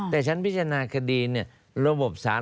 แต่ชั้นพิจารณาคดีระบบสาร